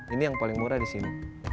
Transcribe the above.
ini yang paling murah disini